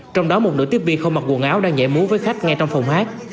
trong đó một nửa tiếp viên không mặc quần áo đang nhảy múa với khách ngay trong phòng hát